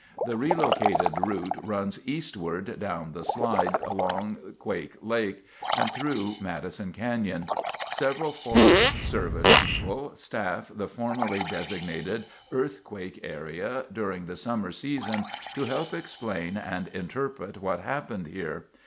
The relocated route runs eastward down the slide, along Quake Lake, and through Madison Canyon. Several Forest Service people staff the formally designated Earthquake Area during the summer season to help explain and interpret what happened here.